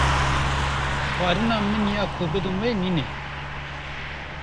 Xwarina min ya ku bidim we nîne.